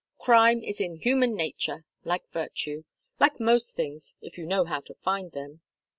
Crime is in human nature, like virtue like most things, if you know how to find them."